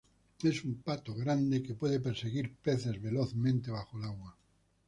Es un pato grande que puede perseguir peces velozmente bajo el agua.